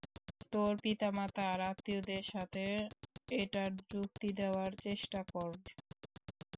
তোর পিতামাতা আর আত্মীয়দের সাথে এটার যুক্তি দেয়ার চেষ্টা কর।